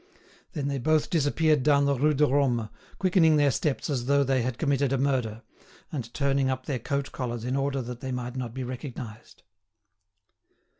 Then they both disappeared down the Rue de Rome, quickening their steps as though they had committed a murder, and turning up their coat collars in order that they might not be recognised.